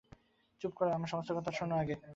চুপ করো, আমার সমস্ত কথাটা শোনো আগে।